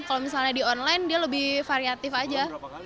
kalau misalnya di online dia lebih variatif aja